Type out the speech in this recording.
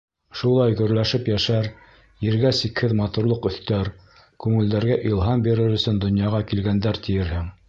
Шулай гөрләшеп йәшәр, ергә сикһеҙ матурлыҡ өҫтәр, күңелдәргә илһам бирер өсөн донъяға килгәндәр тиерһең!